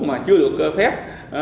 mà chưa được phép